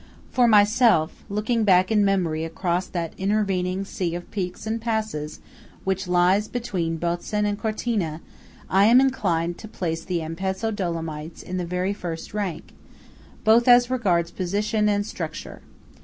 For myself, looking back in memory across that intervening sea of peaks and passes which lies between Botzen and Cortina, I am inclined to place the Ampezzo Dolomites in the very first rank, both as regards position and structure.